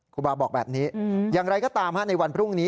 ครูบาบอกแบบนี้อย่างไรก็ตามในวันพรุ่งนี้